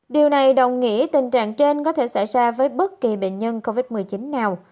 điều này đồng nghĩa tình trạng trên có thể xảy ra với bất kỳ bệnh nhân covid một mươi chín nào